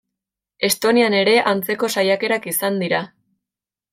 Estonian ere antzeko saiakerak izan dira.